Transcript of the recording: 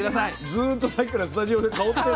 ずっとさっきからスタジオで香ってんのよ。